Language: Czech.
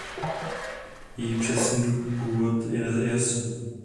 Její přesný původ je nejasný.